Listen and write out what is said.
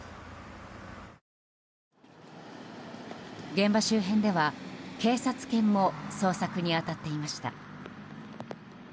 現場周辺では警察犬も捜索に当たっていました。